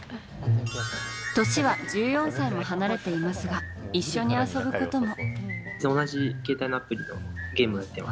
年は１４歳も離れていますが一緒に遊ぶことも。